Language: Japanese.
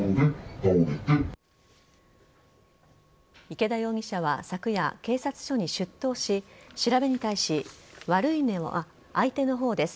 池田容疑者は昨夜警察署に出頭し調べに対し悪いのは相手の方です。